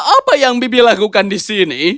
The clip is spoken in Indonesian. apa yang bibi lakukan di sini